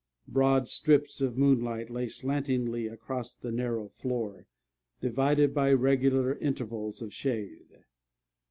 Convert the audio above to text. Broad strips of moonlight lay slantingly across the narrow floor, divided by regular intervals of shade.